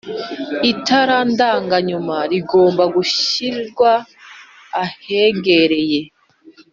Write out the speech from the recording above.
Itara ndanga nyuma rigomba gushyirwa ahegereye